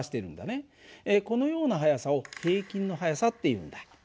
このような速さを平均の速さっていうんだ。